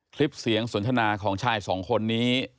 คลิปเสียงสนทนาของชายสองคนนี้